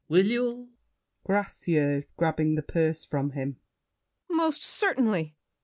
Will you? GRACIEUX (grabbing the purse from him). Most certainly!